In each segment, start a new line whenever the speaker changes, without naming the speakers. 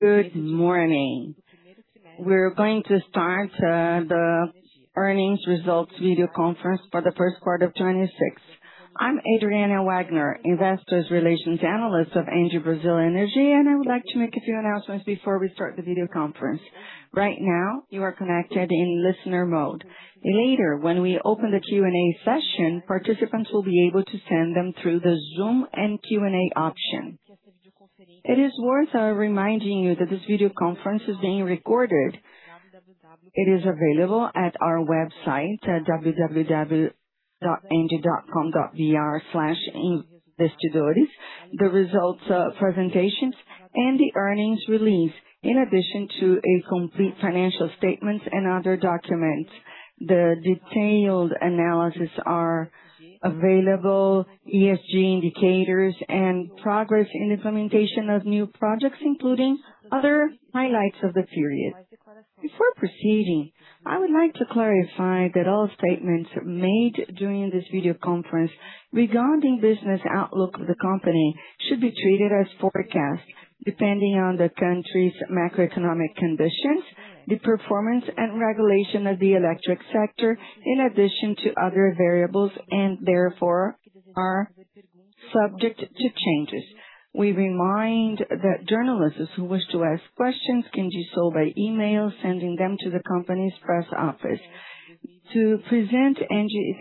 Good morning. We're going to start the earnings results video conference for the first quarter of 2026. I'm Adriana Wagner, Investor Relations Analyst of ENGIE Brasil Energia, and I would like to make a few announcements before we start the video conference. Right now, you are connected in listener mode. Later, when we open the Q&A session, participants will be able to send them through the Zoom and Q&A option. It is worth reminding you that this video conference is being recorded. It is available at our website at www.engie.com.br/investidores. The results presentations and the earnings release, in addition to a complete financial statements and other documents. The detailed analysis are available, ESG indicators and progress in implementation of new projects, including other highlights of the period. Before proceeding, I would like to clarify that all statements made during this video conference regarding business outlook of the company should be treated as forecasts, depending on the country's macroeconomic conditions, the performance and regulation of the electric sector, in addition to other variables, and therefore are subject to changes. We remind that journalists who wish to ask questions can do so by email, sending them to the company's press office. To present ENGIE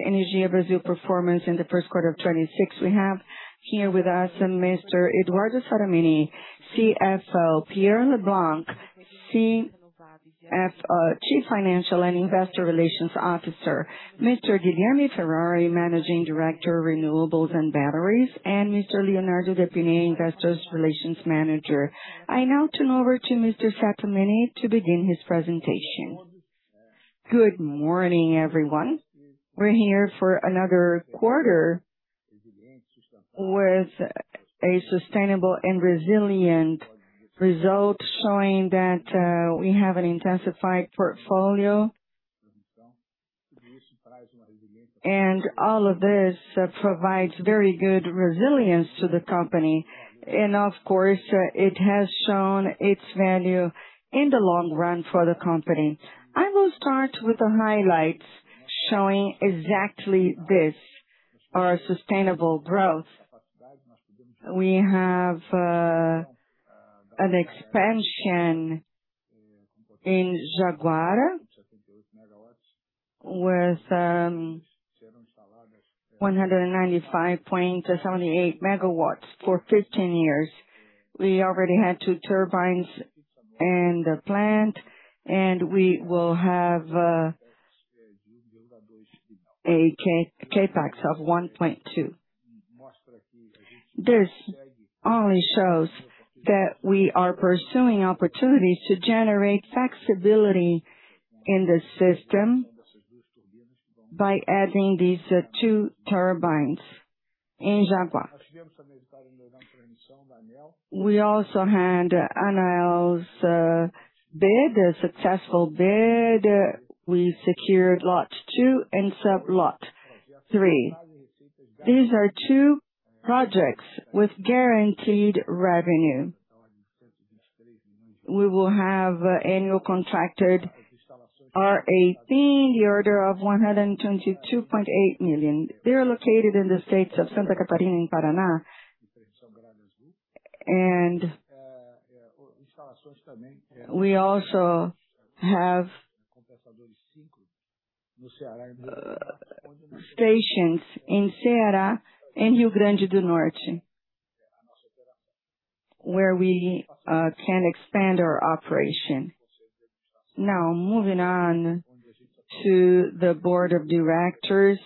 Brasil Energia performance in the first quarter of 2026, we have here with us Mr. Eduardo Sattamini, CEO, Pierre Leblanc, Chief Financial and Investor Relations Officer. Mr. Guilherme Ferrari, Managing Director, Renewables and Batteries, and Mr. Leonardo Depiné, Investor Relations Manager. I now turn over to Mr. Sattamini to begin his presentation.
Good morning, everyone. We're here for another quarter with a sustainable and resilient result, showing that we have an intensified portfolio. All of this provides very good resilience to the company. Of course, it has shown its value in the long run for the company. I will start with the highlights showing exactly this, our sustainable growth. We have an expansion in Jaguara with 195.78 MW for 15 years. We already had two turbines in the plant, and we will have a CapEx of BRL 1.2 billion. This only shows that we are pursuing opportunities to generate flexibility in the system by adding these two turbines in Jaguara. We also had ANEEL's bid, a successful bid. We secured lot two and sub-lot three. These are two projects with guaranteed revenue. We will have annual contracted RAP in the order of 122.8 million. They are located in the states of Santa Catarina in Paraná. We also have stations in Ceará, in Rio Grande do Norte, where we can expand our operation. Now, moving on to the board of directors,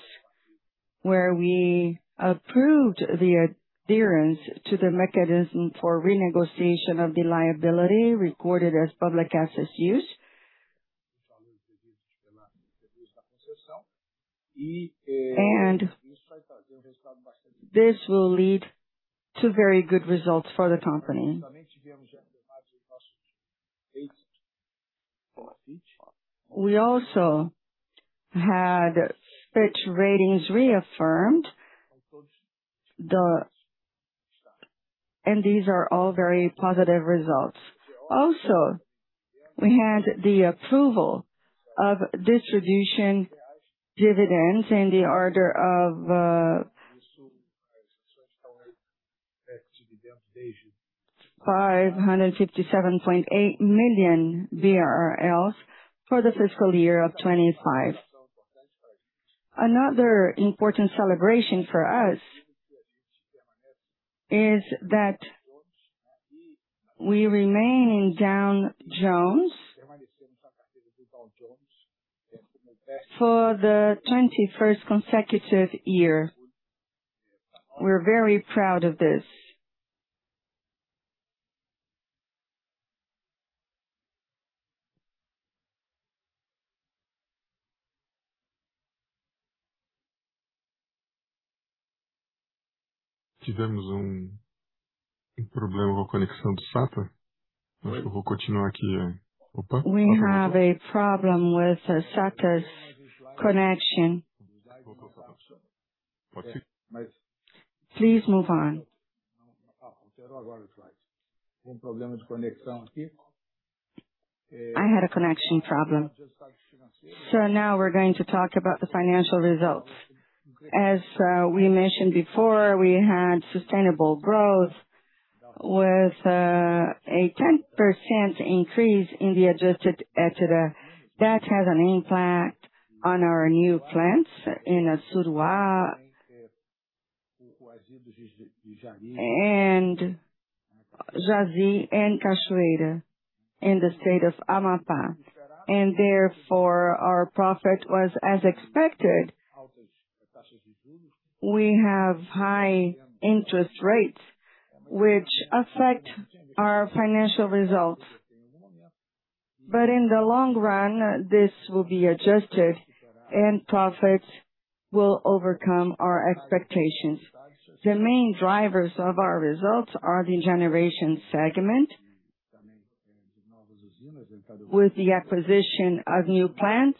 where we approved the adherence to the mechanism for renegotiation of the liability recorded as public assets use. This will lead to very good results for the company. We also had Fitch Ratings. These are all very positive results. Also, we had the approval of distribution dividends in the order of BRL 557.8 million for the FY 2025. Another important celebration for us is that we remain in Dow Jones for the 21st consecutive year. We're very proud of this.
We have a problem with Sattamini's connection. Please move on.
I had a connection problem. Now we're going to talk about the financial results. As we mentioned before, we had sustainable growth with a 10% increase in the adjusted EBITDA. That has an impact on our new plants in Assuruá and Jari and Cachoeira Caldeirão, in the state of Amapá. Therefore, our profit was as expected. We have high interest rates which affect our financial results. In the long run, this will be adjusted and profits will overcome our expectations. The main drivers of our results are the generation segment. With the acquisition of new plants,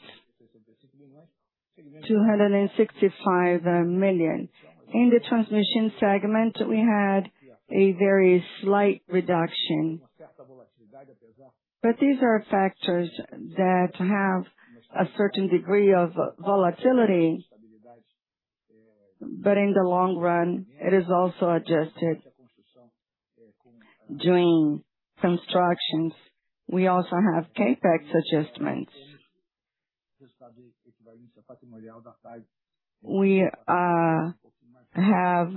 265 million. In the transmission segment, we had a very slight reduction. These are factors that have a certain degree of volatility. In the long run, it is also adjusted during constructions. We also have CapEx adjustments. We have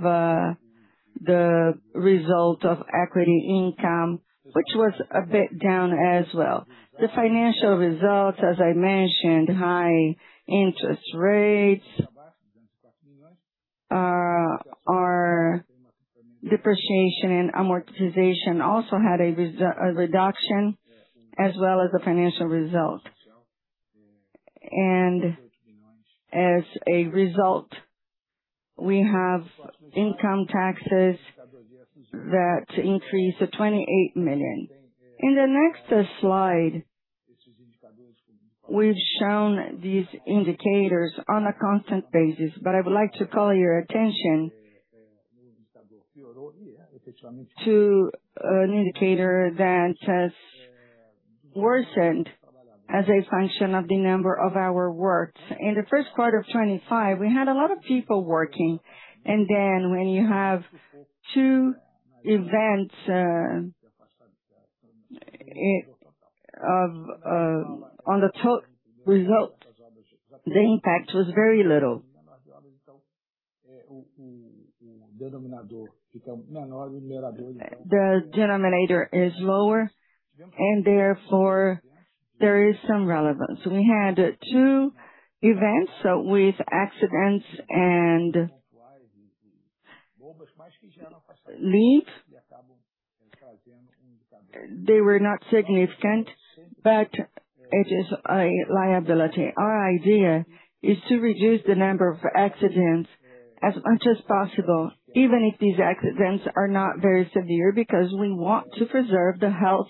the result of equity income, which was a bit down as well. The financial results, as I mentioned, high interest rates, are depreciation and amortization also had a reduction as well as the financial results. As a result, we have income taxes that increased to 28 million. In the next slide, we've shown these indicators on a constant basis, but I would like to call your attention to an indicator that has worsened as a function of the number of our works. In the first quarter of 2025, we had a lot of people working, when you have two events, on the result, the impact was very little. The denominator is lower and therefore there is some relevance. We had two events with accidents and leave. They were not significant, but it is a liability. Our idea is to reduce the number of accidents as much as possible, even if these accidents are not very severe, because we want to preserve the health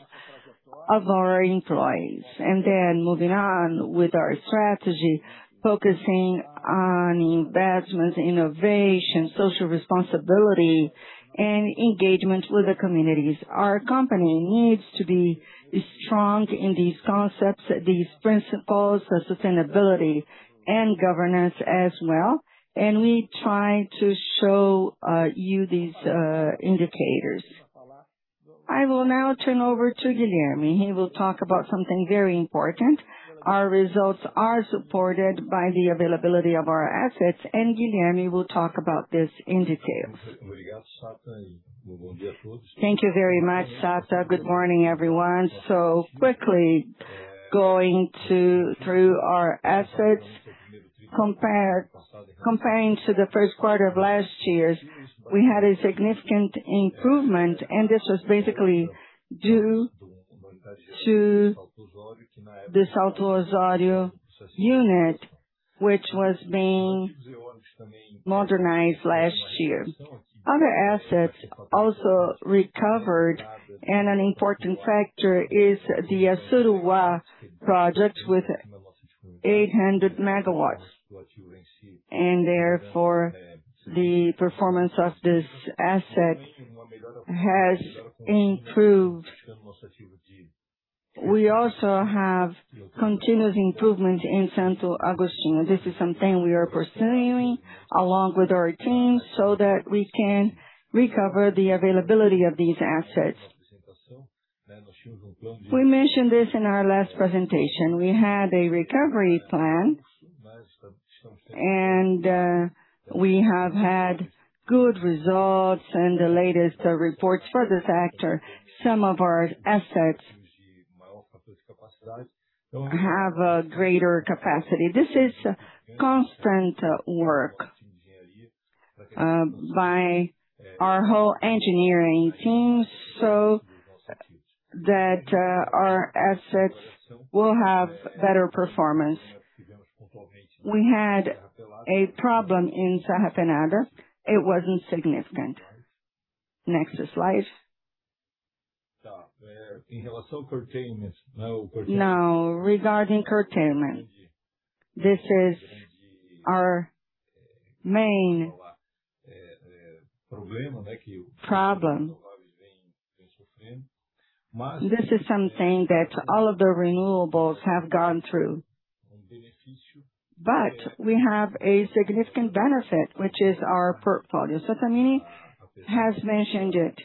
of our employees. Moving on with our strategy, focusing on investments, innovation, social responsibility and engagement with the communities. Our company needs to be strong in these concepts, these principles of sustainability and governance as well. We try to show you these indicators. I will now turn over to Guilherme. He will talk about something very important. Our results are supported by the availability of our assets, and Guilherme will talk about this in detail.
Thank you very much, Satta. Good morning, everyone. Quickly going through our assets, comparing to the first quarter of last year's, we had a significant improvement, this was basically due to the Salto Osório unit, which was being modernized last year. Other assets also recovered, an important factor is the Assuruá project with 800 MW. Therefore, the performance of this asset has improved. We also have continuous improvement in Santo Agostinho. This is something we are pursuing along with our teams, so that we can recover the availability of these assets. We mentioned this in our last presentation. We had a recovery plan, and we have had good results in the latest reports for this factor. Some of our assets have a greater capacity. This is constant work by our whole engineering team, so that our assets will have better performance. We had a problem in [Sahapnada]. It wasn't significant. Next slide. Now regarding curtailment, this is our main problem. We have a significant benefit, which is our portfolio. Sattamini has mentioned it.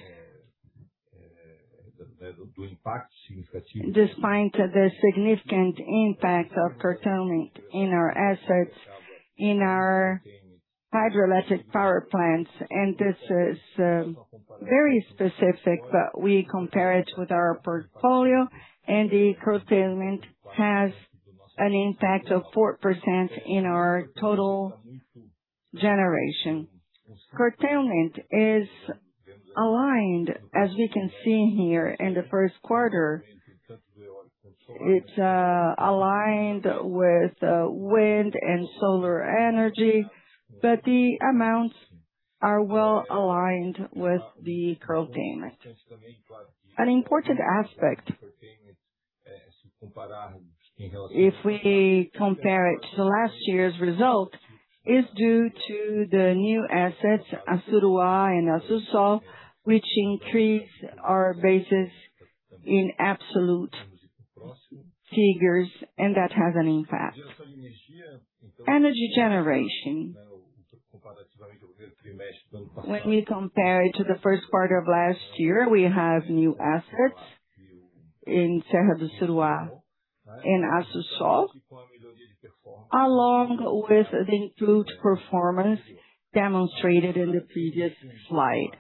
Despite the significant impact of curtailment in our assets, in our hydroelectric power plants, and this is very specific, but we compare it with our portfolio, and the curtailment has an impact of 4% in our total generation. Curtailment is aligned, as we can see here in the first quarter. It's aligned with wind and solar energy, but the amounts are well-aligned with the curtailment. An important aspect, if we compare it to last year's result, is due to the new assets, Assuruá and Assú Sol, which increase our basis in absolute figures, and that has an impact. Energy generation. When we compare it to the first quarter of last year, we have new assets in Serra do Assuruá and Assú Sol, along with the improved performance demonstrated in the previous slide.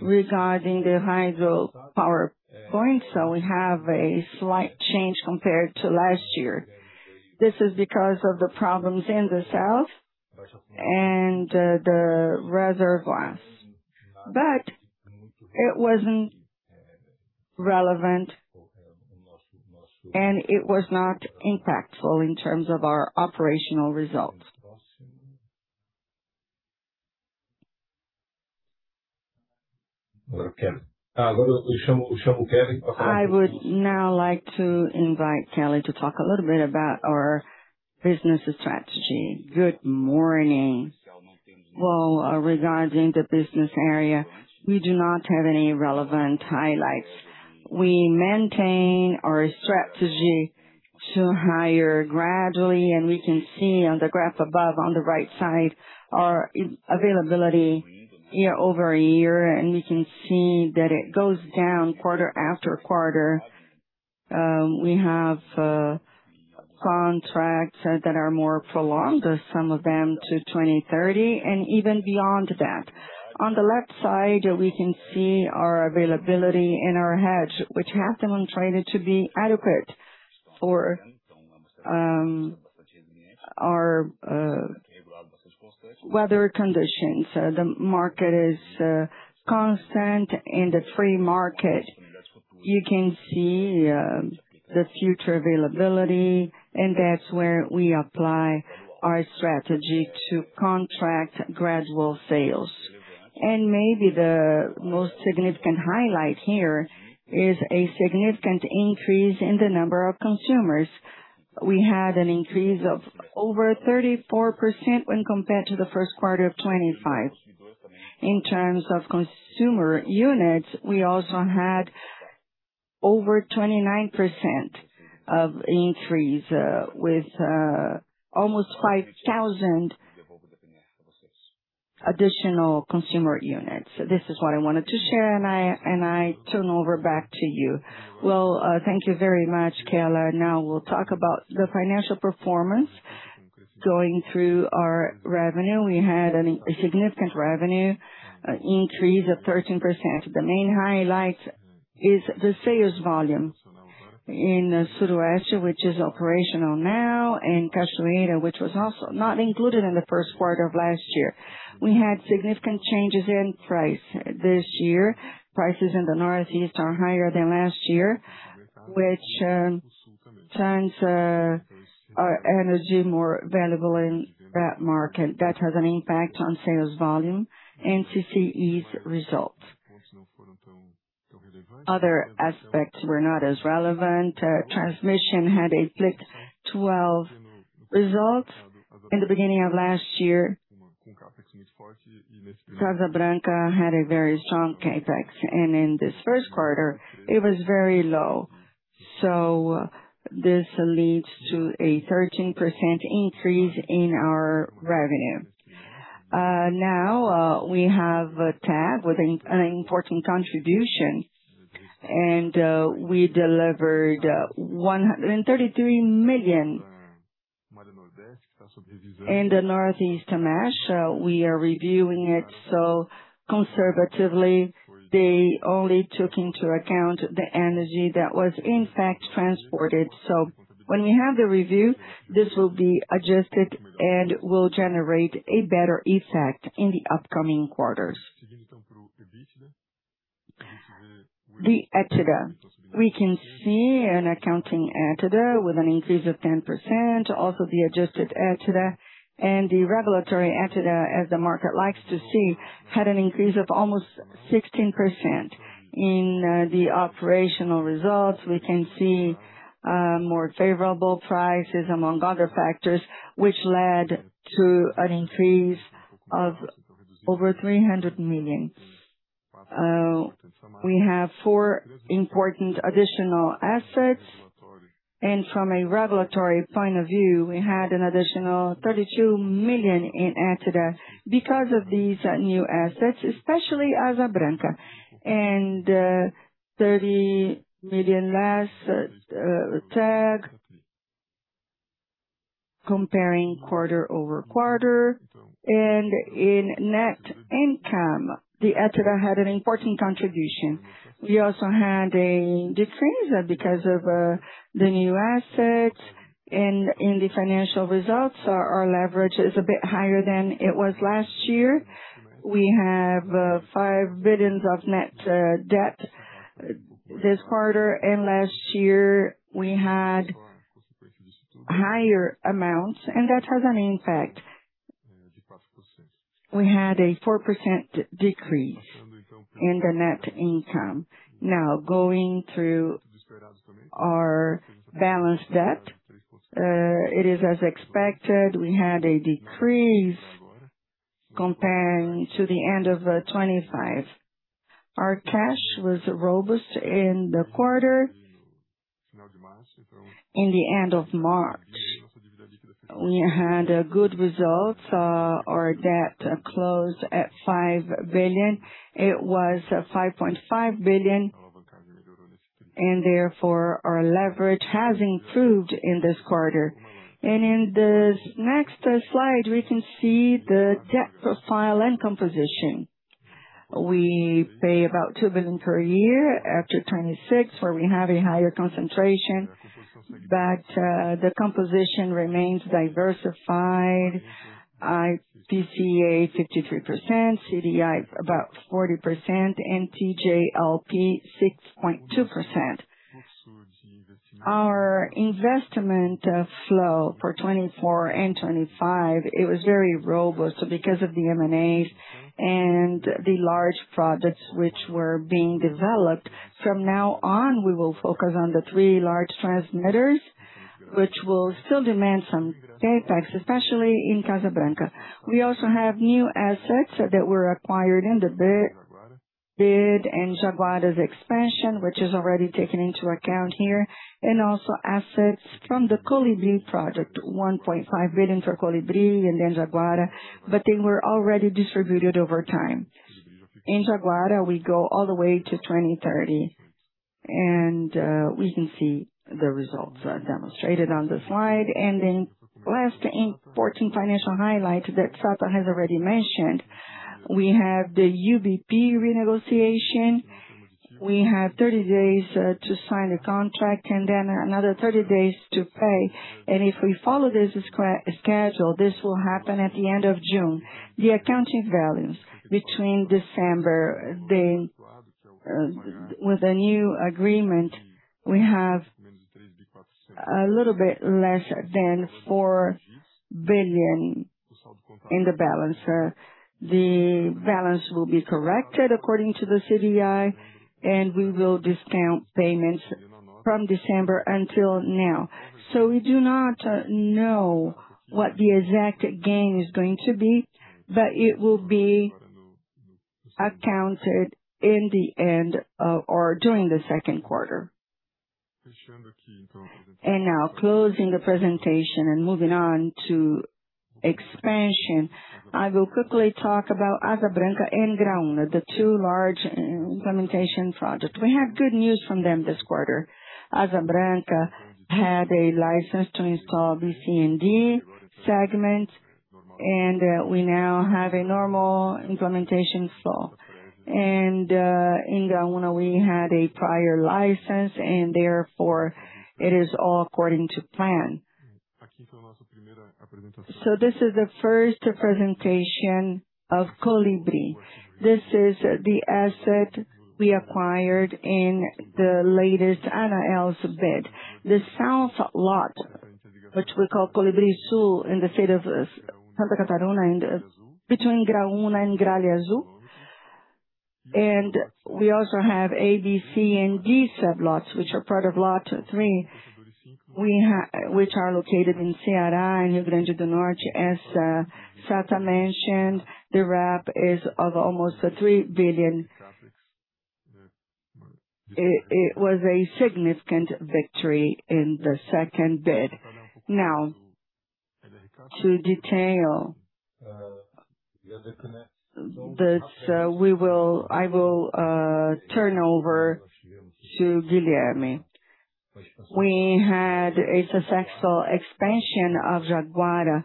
Regarding the hydropower plants, we have a slight change compared to last year. This is because of the problems in the south and the reservoirs. It wasn't relevant, and it was not impactful in terms of our operational results. I would now like to invite Keller to talk a little bit about our business strategy.
Good morning. Well, regarding the business area, we do not have any relevant highlights. We maintain our strategy to hire gradually, and we can see on the graph above on the right side our availability year-over-year, and we can see that it goes down quarter-after-quarter. We have contracts that are more prolonged, some of them to 2030, and even beyond that. On the left side, we can see our availability and our hedge, which has been trying to be adequate for our weather conditions. The market is constant. In the free market, you can see the future availability. That's where we apply our strategy to contract gradual sales. Maybe the most significant highlight here is a significant increase in the number of consumers. We had an increase of over 34% when compared to the first quarter of 2025. In terms of consumer units, we also had over 29% of increase with almost 5,000 additional consumer units. This is what I wanted to share. I turn over back to you.
Well, thank you very much, Keller. Now we'll talk about the financial performance. Going through our revenue, we had a significant revenue increase of 13%. The main highlight is the sales volume in Sudoeste, which is operational now, and Castelo de Veiga, which was also not included in the 1st quarter of last year. We had significant changes in price this year. Prices in the Northeast are higher than last year, which turns our energy more valuable in that market. That has an impact on sales volume and CCEE's result. Other aspects were not as relevant. Transmission had a IFRIC 12 result in the beginning of last year. Asa Branca had a very strong CapEx, and in this first quarter, it was very low. This leads to a 13% increase in our revenue. Now, we have a tab with an important contribution, and we delivered 133 million in the Northeast mesh. We are reviewing it, conservatively, they only took into account the energy that was in fact transported. When we have the review, this will be adjusted and will generate a better effect in the upcoming quarters. The EBITDA. We can see an accounting EBITDA with an increase of 10%. Also the adjusted EBITDA and the regulatory EBITDA, as the market likes to see, had an increase of almost 16%. In the operational results, we can see more favorable prices among other factors, which led to an increase of over 300 million. We have four important additional assets. From a regulatory point of view, we had an additional 32 million in EBITDA because of these new assets, especially Asa Branca. BRL 30 million less TAG. Comparing quarter-over-quarter and in net income, the EBITDA had an important contribution. We also had a decrease because of the new assets. In the financial results, our leverage is a bit higher than it was last year. We have 5 billion of net debt this quarter. Last year we had higher amounts, and that has an impact. We had a 4% decrease in the net income. Now, going through our balance debt. It is as expected. We had a decrease comparing to the end of 2025. Our cash was robust in the quarter. In the end of March, we had good results. Our debt closed at 5 billion. It was 5.5 billion, and therefore, our leverage has improved in this quarter. In this next slide, we can see the debt profile and composition. We pay about 2 billion per year after 2026, where we have a higher concentration. The composition remains diversified. IPCA 53%, CDI about 40%, and TJLP 6.2%. Our investment flow for 2024 and 2025, it was very robust because of the M&As and the large projects which were being developed. From now on, we will focus on the three large transmitters, which will still demand some CapEx, especially in Asa Branca. We also have new assets that were acquired in the bid and Jaguara's expansion, which is already taken into account here. Also, assets from the Colibri project, 1.5 billion for Colibri and then Jaguara, but they were already distributed over time. In Jaguara, we go all the way to 2030, we can see the results demonstrated on the slide. Last important financial highlight that Sattamini has already mentioned, we have the UBP renegotiation. We have 30 days to sign a contract and then another 30 days to pay. If we follow this schedule, this will happen at the end of June. The accounting values between December, with the new agreement, we have a little bit less than 4 billion in the balance. The balance will be corrected according to the CDI, and we will discount payments from December until now. We do not know what the exact gain is going to be, but it will be accounted in the end, or during the second quarter. Closing the presentation and moving on to expansion, I will quickly talk about Asa Branca and Graúna, the two large implementation projects. We have good news from them this quarter. Asa Branca had a license to install B, C and D segments, we now have a normal implementation flow. In Graúna, we had a prior license, and therefore it is all according to plan. This is the first presentation of Colibri. This is the asset we acquired in the latest ANEEL bid. The south lot, which we call Colibri Sul, in the state of Santa Catarina and between Graúna and Gralha Azul. We also have A, B, C and D sub-lots, which are part of lot three. Which are located in Ceará and Rio Grande do Norte. As Sattamini mentioned, the RAP is of almost 3 billion. It was a significant victory in the second bid. To detail this, I will turn over to Guilherme.
We had a successful expansion of Jaguara.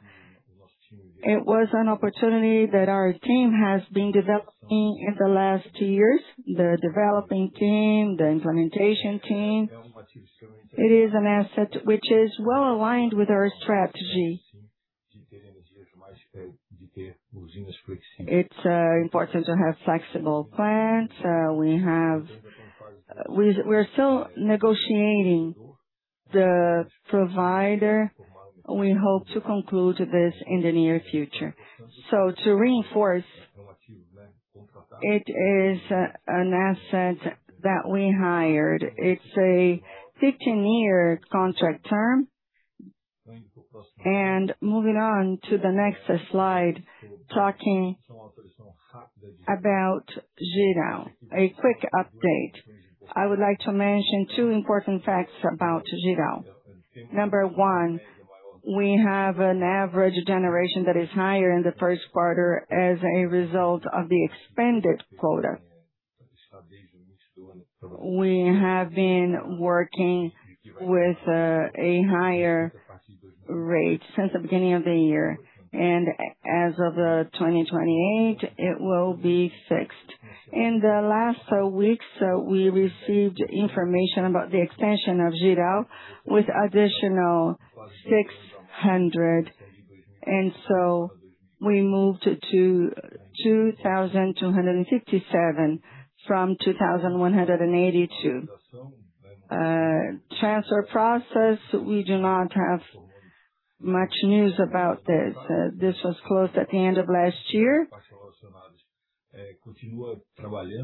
It was an opportunity that our team has been developing in the last two years. The developing team, the implementation team. It is an asset which is well-aligned with our strategy. It is important to have flexible plants. We are still negotiating the provider. We hope to conclude this in the near future. To reinforce, it is an asset that we hired. It is a 15-year contract term. Moving on to the next slide, talking about Jirau. A quick update. I would like to mention two important facts about Jirau. Number one, we have an average generation that is higher in the first quarter as a result of the expanded quota. We have been working with a higher rate since the beginning of the year, and as of 2028, it will be fixed. In the last weeks, we received information about the extension of Jirau with additional 600 MW, we moved to 2,257 MW from 2,182 MW. Transfer process, we do not have much news about this. This was closed at the end of last year.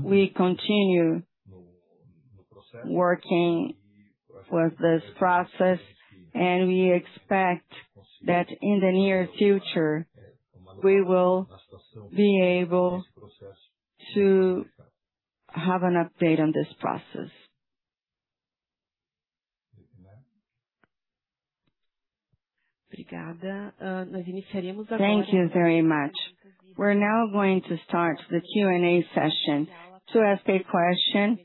We continue working with this process, and we expect that in the near future, we will be able to have an update on this process.
Thank you very much. We're now going to start the Q&A session. To ask a question,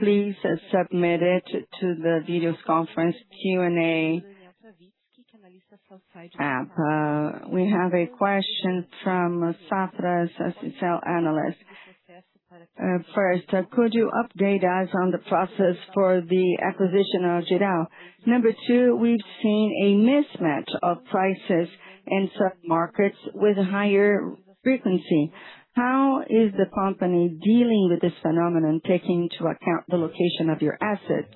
please submit it to the video conference Q&A app. We have a question from Safra's associate analyst. First, could you update us on the process for the acquisition of Jirau? Number two, we've seen a mismatch of prices in some markets with higher frequency. How is the company dealing with this phenomenon, taking into account the location of your assets?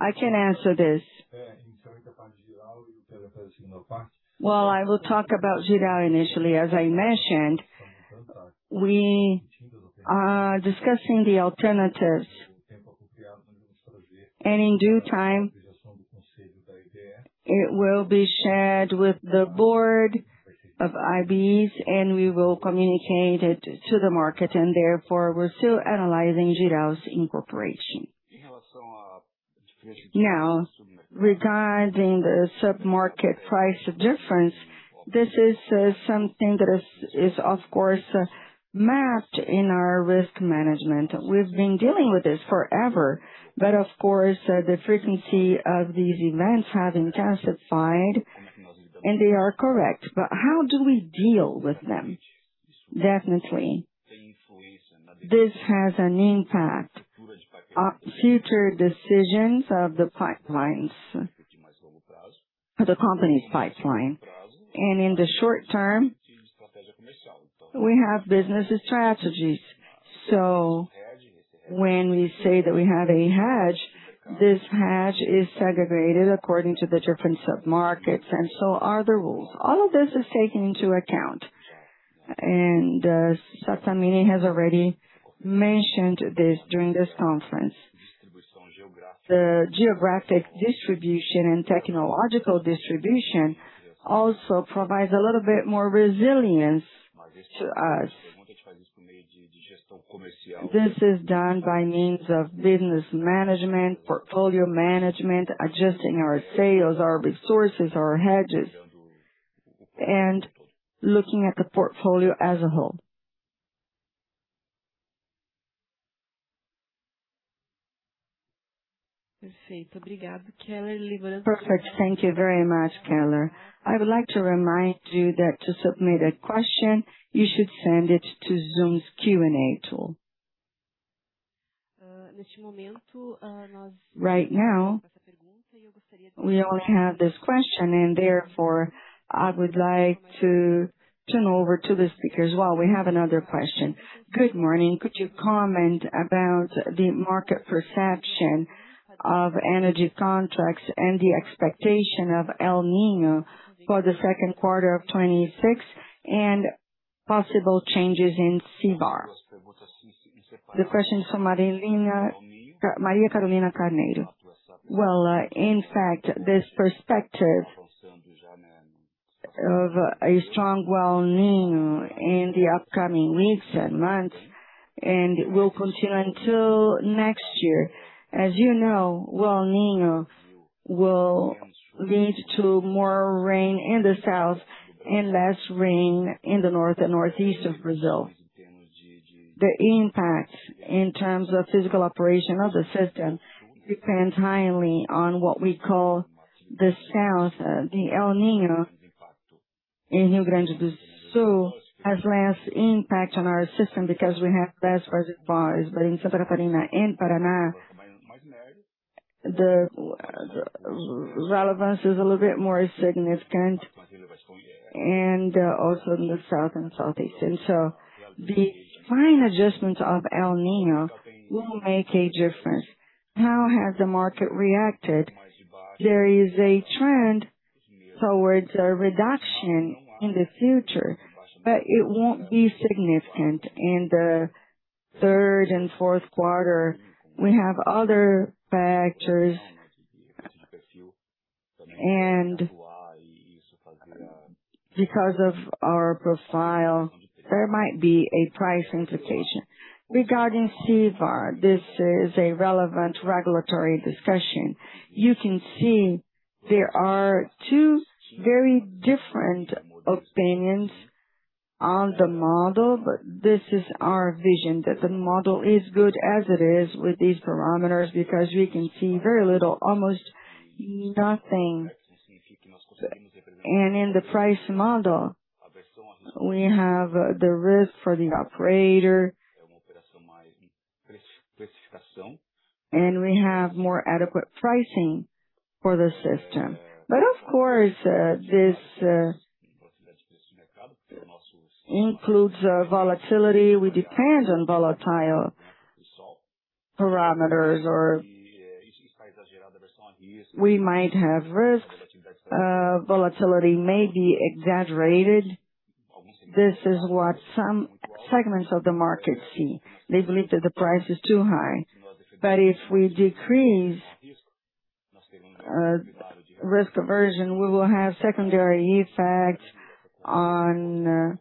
I can answer this. Well, I will talk about Jirau initially. As I mentioned, we are discussing the alternatives. In due time, it will be shared with the board of IBs, and we will communicate it to the market, and therefore, we're still analyzing Jirau's incorporation. Regarding the submarket price difference, this is something that is of course, mapped in our risk management. We've been dealing with this forever. Of course, the frequency of these events has intensified, and they are correct. How do we deal with them? Definitely, this has an impact on future decisions of the pipelines, the company's pipeline. In the short term, we have business strategies. When we say that we have a hedge, this hedge is segregated according to the different submarkets, and so are the rules. All of this is taken into account. Sattamini has already mentioned this during this conference. The geographic distribution and technological distribution also provides a little bit more resilience to us. This is done by means of business management, portfolio management, adjusting our sales, our resources, our hedges, and looking at the portfolio as a whole.
Perfect. Thank you very much, Keller. I would like to remind you that to submit a question, you should send it to Zoom's Q&A tool. Right now, we only have this question, and therefore, I would like to turn over to the speakers. We have another question. Good morning. Could you comment about the market perception of energy contracts and the expectation of El Niño for the second quarter of 2026 and possible changes in CVaR? The question is from Maria Carolina Carneiro.
In fact, this perspective of a strong El Niño in the upcoming weeks and months, and it will continue until next year. As you know, El Niño will lead to more rain in the south and less rain in the north and northeast of Brazil. The impact in terms of physical operation of the system depends highly on what we call the south. The El Niño in Rio Grande do Sul has less impact on our system because we have less reservoirs. In Santa Catarina and Paraná. The relevance is a little bit more significant, also in the South and Southeast. The fine adjustments of El Niño will make a difference. How has the market reacted? There is a trend towards a reduction in the future, but it won't be significant. In the third and fourth quarter, we have other factors. Because of our profile, there might be a price implication. Regarding CVaR, this is a relevant regulatory discussion. You can see there are two very different opinions on the model, but this is our vision that the model is good as it is with these parameters, because we can see very little, almost nothing. In the price model, we have the risk for the operator. We have more adequate pricing for the system. Of course, this includes volatility. We depend on volatile parameters, or we might have risk. Volatility may be exaggerated. This is what some segments of the market see. They believe that the price is too high. If we decrease risk aversion, we will have secondary effects on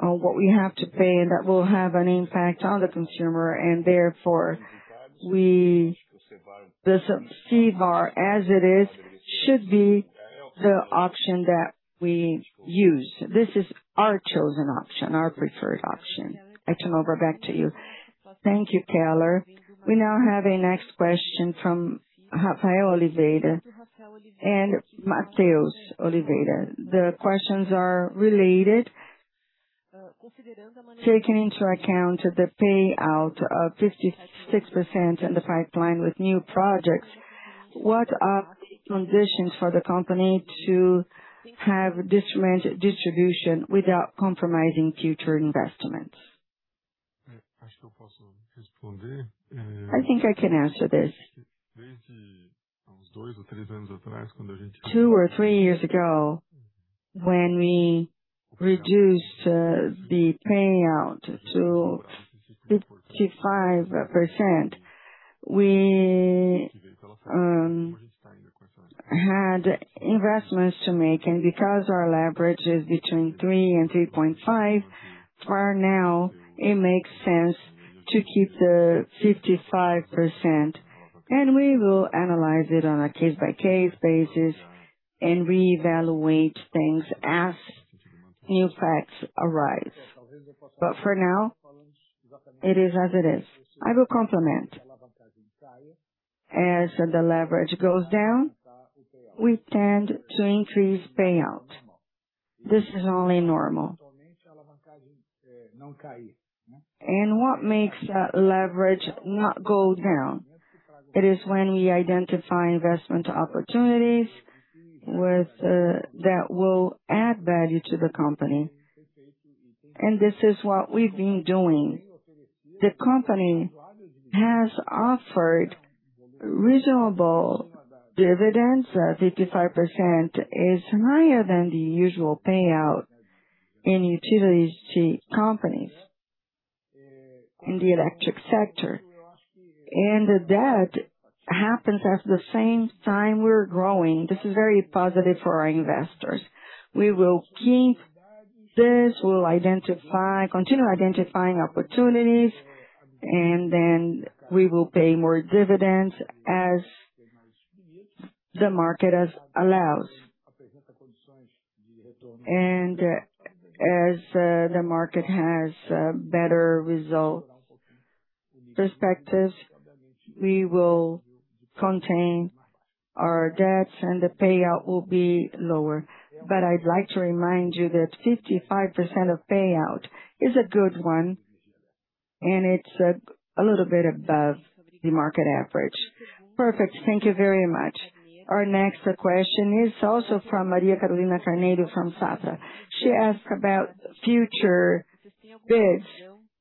what we have to pay that will have an impact on the consumer. Therefore, the CVaR as it is should be the option that we use. This is our chosen option, our preferred option. I turn over back to you.
Thank you, Keller. We now have a next question from Rafael Oliveira and Matheus Oliveira. The questions are related. Taking into account the payout of 56% in the pipeline with new projects, what are the conditions for the company to have distribution without compromising future investments?
I think I can answer this. Two or three years ago, when we reduced the payout to 55%, we had investments to make. Because our leverage is between 3x and 3.5x, for now, it makes sense to keep the 55%. We will analyze it on a case-by-case basis and reevaluate things as new facts arise. For now, it is as it is.
I will complement. As the leverage goes down, we tend to increase payout. This is only normal. What makes that leverage not go down? It is when we identify investment opportunities with that will add value to the company. This is what we've been doing. The company has offered reasonable dividends. 55% is higher than the usual payout in utility companies in the electric sector. That happens at the same time we're growing. This is very positive for our investors. We will keep this. We'll continue identifying opportunities, and then we will pay more dividends as the market allows. As the market has better result perspectives, we will contain our debts, and the payout will be lower. I'd like to remind you that 55% of payout is a good one, and it's a little bit above the market average.
Perfect. Thank you very much. Our next question is also from Maria Carolina Carneiro from Safra. She asked about future bids,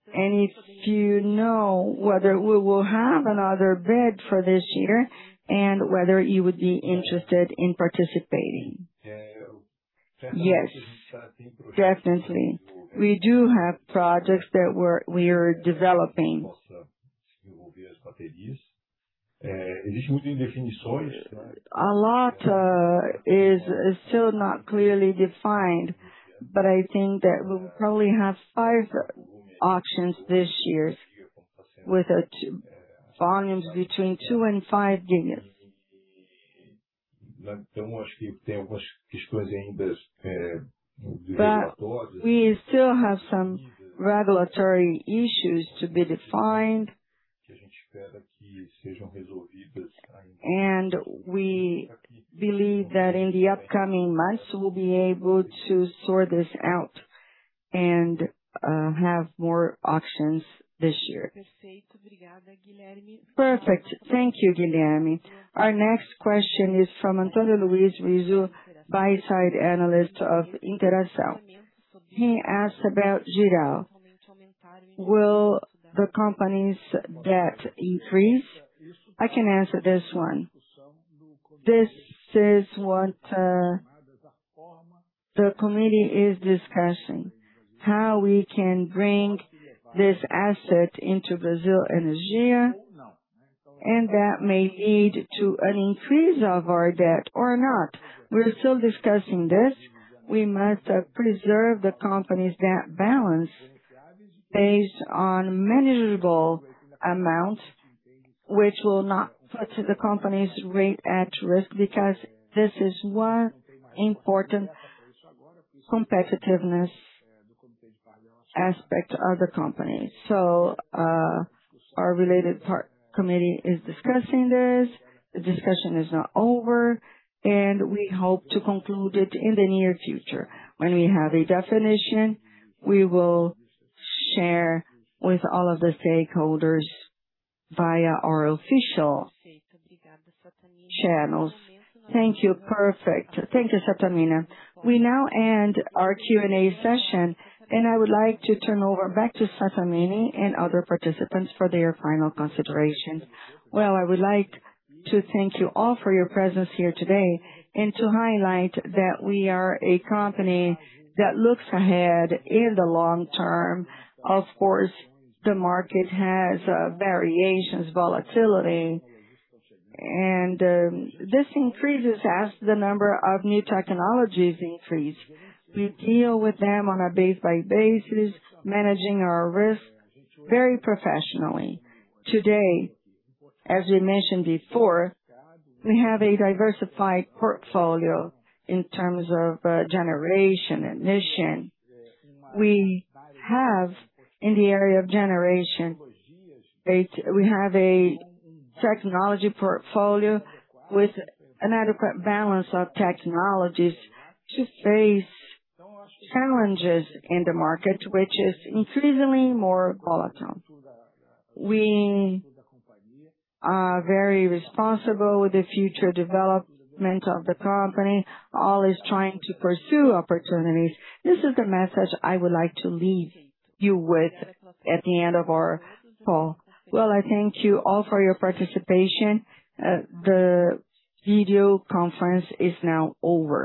if you know whether we will have another bid for this year and whether you would be interested in participating.
Yes, definitely. We do have projects that we're developing. A lot is still not clearly defined, but I think that we'll probably have five auctions this year with two volumes between 2 GW and 5 GW. We still have some regulatory issues to be defined. We believe that in the upcoming months, we'll be able to sort this out. Have more auctions this year.
Perfect. Thank you, Guilherme. Our next question is from Antonio Luis Rizo, buy-side analyst of Inter-Ação. He asked about Jirau. Will the company's debt increase?
I can answer this one. This is what the committee is discussing, how we can bring this asset into ENGIE Brasil Energia, and that may lead to an increase of our debt or not. We're still discussing this. We must preserve the company's debt balance based on manageable amount, which will not put the company's rate at risk, because this is one important competitiveness aspect of the company. Our related party committee is discussing this. The discussion is not over, and we hope to conclude it in the near future. When we have a definition, we will share with all of the stakeholders via our official channels. Thank you.
Perfect. Thank you, Sattamini. We now end our Q&A session, and I would like to turn over back to Sattamini and other participants for their final considerations.
Well, I would like to thank you all for your presence here today and to highlight that we are a company that looks ahead in the long term. Of course, the market has variations, volatility, and this increases as the number of new technologies increase. We deal with them on a base by basis, managing our risk very professionally. Today, as we mentioned before, we have a diversified portfolio in terms of generation and transmission. We have, in the area of generation, we have a technology portfolio with an adequate balance of technologies to face challenges in the market, which is increasingly more volatile. We are very responsible with the future development of the company, always trying to pursue opportunities. This is the message I would like to leave you with at the end of our call.
Well, I thank you all for your participation. The video conference is now over.